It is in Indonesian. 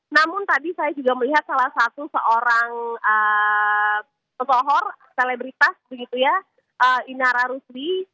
namun tadi saya juga melihat salah satu seorang pesohor selebritas begitu ya inara rusdi